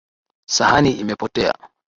Sahani imepotea